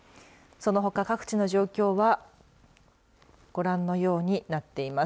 そのほか各地の状況はご覧のようになっています。